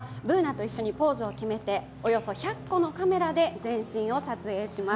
お金は別途かかるんですがＢｏｏｎａと一緒にポーズを決めて、およそ１００個のカメラで全身を撮影します。